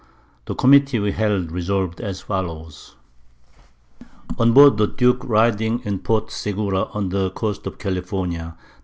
The Committee we held resolv'd as follows. On board the Duke riding in Port Segura on the Coast of California, _Dec.